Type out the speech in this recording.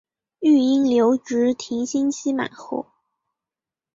育婴留职停薪期满后